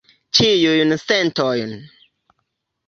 Ĉiujn sentojn.